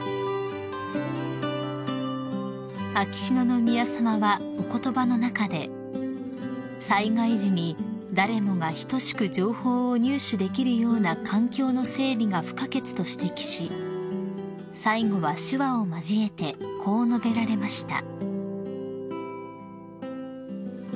［秋篠宮さまはお言葉の中で「災害時に誰もが等しく情報を入手できるような環境の整備が不可欠」と指摘し最後は手話を交えてこう述べられました］